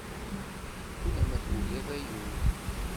Ulamma tugid ay ul.